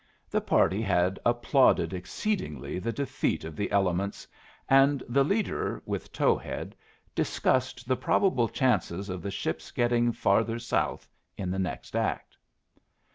The party had applauded exceedingly the defeat of the elements, and the leader, with Towhead, discussed the probable chances of the ship's getting farther south in the next act.